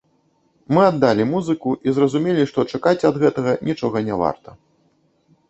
Мы аддалі музыку і зразумелі, што чакаць ад гэтага нічога не варта.